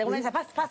パス！